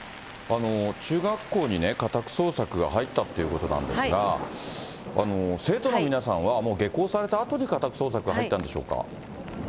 中学校に家宅捜索が入ったということなんですが、生徒の皆さんは、もう下校されたあとで家宅捜索が入ったんでしょうか。